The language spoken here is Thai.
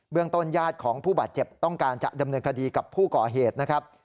ต้นญาติของผู้บาดเจ็บต้องการจะดำเนินคดีกับผู้ก่อเหตุนะครับ